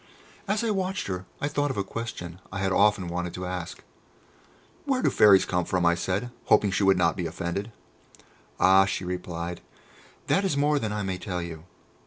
As I watched her I thought of a question I had often wanted to ask. "Where do Fairies come from?" I said, hoping she would not be offended. "Ah," she replied, "that is more than I may tell you.